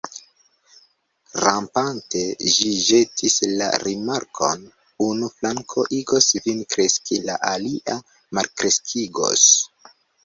Rampante, ĝi ĵetis la rimarkon: "Unu flanko igos vin kreski, la alia malkreskigos. »